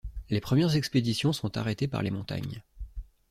Les premières expéditions sont arrêtées par les montagnes.